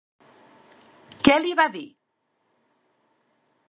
Què li va dir?